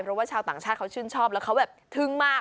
เพราะว่าชาวต่างชาติเขาชื่นชอบแล้วเขาแบบทึ่งมาก